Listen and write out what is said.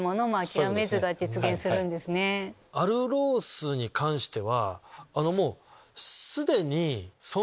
アルロースに関しては。